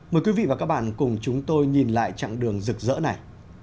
mời quý vị và các bạn cùng chúng tôi nhìn lại chặng đường rực rỡ này